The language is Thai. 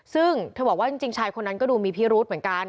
ซึ่งเธอบอกว่าจริงชายคนนั้นก็ดูมีพิรุธเหมือนกัน